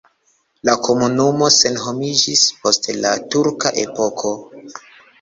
La komunumo senhomiĝis post la turka epoko.